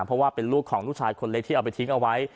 เพราะว่าเป็นลูกของลูกชายคนเล็กที่เอาไปทิ้งเอาไว้